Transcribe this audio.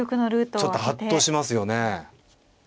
ちょっとハッとしますよね。